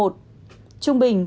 một trung bình